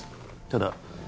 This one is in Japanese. ただ